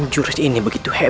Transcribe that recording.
jurus ini begitu hebat